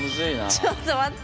ちょっと待って。